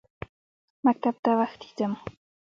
مکتب ته وختي ځم.